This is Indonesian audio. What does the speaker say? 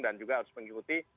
dan juga harus mengikuti